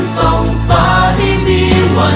ส่งฟ้าให้มีวันใหม่